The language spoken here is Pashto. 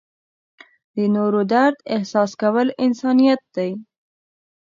د نورو درد احساس کول انسانیت دی.